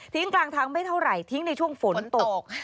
กลางทางไม่เท่าไหร่ทิ้งในช่วงฝนตก